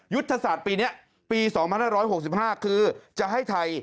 ยุทธศาสตร์ปีนี้ปี๒๕๖๕คือจะให้ไทย